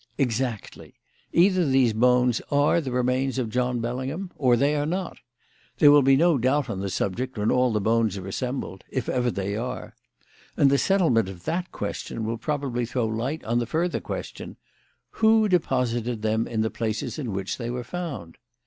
"Exactly. Either these bones are the remains of John Bellingham or they are not. There will be no doubt on the subject when all the bones are assembled if ever they are. And the settlement of that question will probably throw light on the further question: Who deposited them in the places in which they were found?